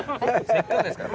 せっかくですから。